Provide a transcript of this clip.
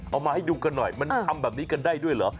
เอามาให้ดูกันหน่อยมันทำแบบนี้กันได้ด้วยเหรอ